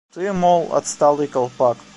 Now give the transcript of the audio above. Ты, мол, отсталый колпак.